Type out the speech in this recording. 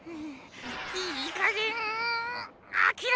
いいかげんあきらめろ！